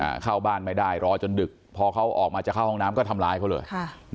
เข้าบ้านไม่ได้รอจนดึกพอเขาออกมาจะเข้าห้องน้ำก็ทำร้ายเขาเลยค่ะ